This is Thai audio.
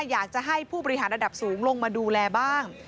อยากจะให้ผู้บริหารระดับสูงลงมาดูแลบ้าง